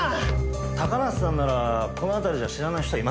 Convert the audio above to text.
高梨さんならこの辺りじゃ知らない人はいませんよ。